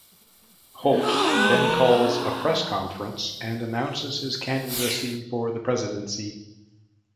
"Holt" then calls a press conference and announces his candidacy for the presidency.